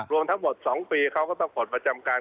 รวมทั้งหมด๒ปีเขาก็ต้องปลดประจำการ